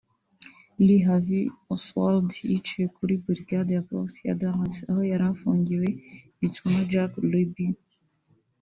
Lee Harvey Oswald yiciwe kuri burigade ya polisi ya Dallas aho yari afungiwe yicwa na Jack Ruby